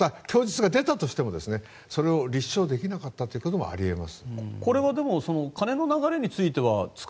また供述が出たとしてもそれを立証できなかったということもあり得ます。